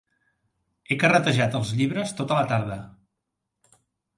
He carretejat els llibres tota la tarda.